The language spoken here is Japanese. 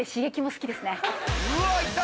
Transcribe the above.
・うわいった！